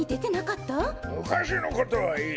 むかしのことはいい。